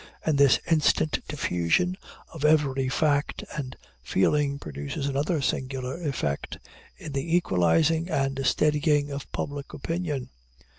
And this instant diffusion of every fact and feeling produces another singular effect in the equalizing and steadying of public opinion.